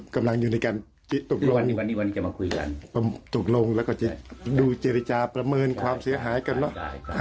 กำลังอยู่ในการตกลงตกลงแล้วก็ดูเจรจาประเมินความเสียหายกันเนอะ